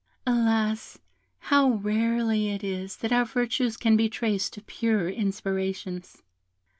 Alas! how rarely it is that our virtues can be traced to purer inspirations.